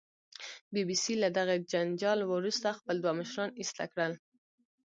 بي بي سي له دغې جنجال وروسته خپل دوه مشران ایسته کړل